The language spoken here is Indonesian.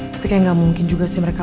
tapi kayak gak mungkin juga sih mereka